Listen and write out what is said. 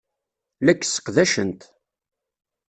La k-sseqdacent.